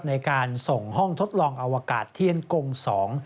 ในการส่งห้องทดลองอวกาศเทียนกงสอง